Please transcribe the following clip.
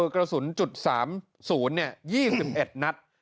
กระสุนจุด๓๐ยี่สิบเอ็ดนัด